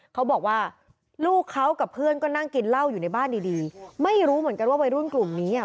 เขาบอกว่าลูกเขากับเพื่อนก็นั่งกินเหล้าอยู่ในบ้านดีดีไม่รู้เหมือนกันว่าวัยรุ่นกลุ่มนี้อ่ะ